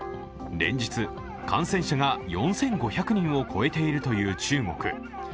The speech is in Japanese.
連日、感染者が４５００人を超えているという中国。